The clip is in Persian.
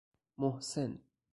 محسن